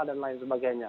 dan lain sebagainya